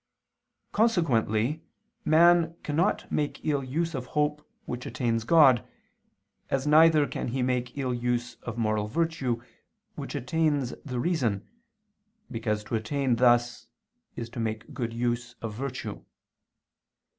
Consequently man cannot make ill use of hope which attains God, as neither can he make ill use of moral virtue which attains the reason, because to attain thus is to make good use of virtue.